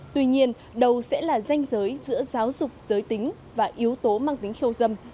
tuy nhiên đầu sẽ là danh giới giữa giáo dục giới tính và yếu tố mang tính khiêu dâm